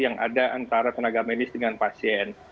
yang ada antara tenaga medis dengan pasien